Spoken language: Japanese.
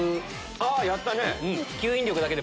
あやったね。